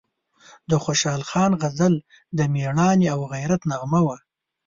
د خوشحال خان غزل د میړانې او غیرت نغمه وه،